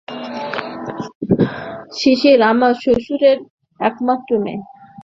শিশির আমার শ্বশুরের একমাত্র মেয়ে।